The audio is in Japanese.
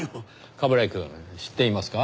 冠城くん知っていますか？